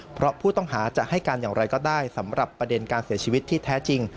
เพราะผู้ต้องหาจะให้การอย่างไรก็ได้สำหรับประเด็นการเสียชีวิตที่แท้จริง